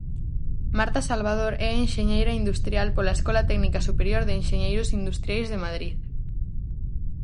Marta Salvador é enxeñeira industrial pola Escola Técnica Superior de Enxeñeiros Industriais de Madrid.